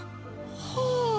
はあ。